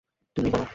তুমি বলো।